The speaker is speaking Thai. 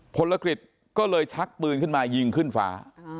พลกฤษก็เลยชักปืนขึ้นมายิงขึ้นฟ้า